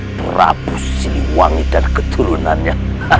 prabu siliwangi dan keturunannya